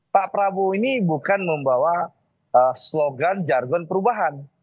pak prabowo ini bukan membawa slogan jargon perubahan